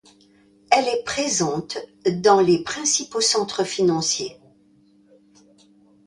Elle est présente dans les principaux centres financiers.